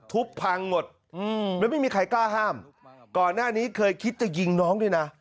พังหมดแล้วไม่มีใครกล้าห้ามก่อนหน้านี้เคยคิดจะยิงน้องด้วยนะ